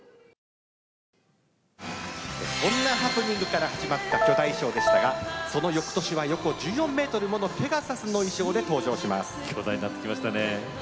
そんなハプニングから始まった巨大衣装でしたがそのよくとしは横１４ｍものペガサスの衣装で登場します。